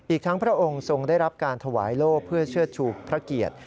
อีกทั้งพระองค์ทรงได้รับการถวายโลกเพื่อเชื่อชูพระเกียรติ